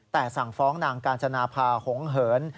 แต่สั่งฟ้องนางกาญจนาภาหงเหิน